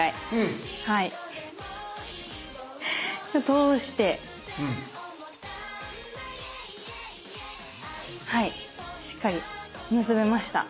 通してはいしっかり結べました。